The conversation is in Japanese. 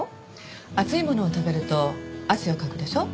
熱いものを食べると汗をかくでしょ。